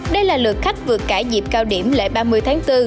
đây là lượt khách vượt cả dịp cao điểm lễ ba mươi tháng bốn